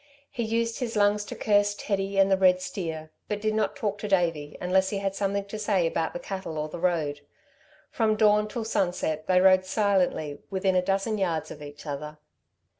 He used his lungs to curse Teddy and the red steer, but did not talk to Davey unless he had something to say about the cattle or the road. From dawn till sunset they rode silently within a dozen yards of each other.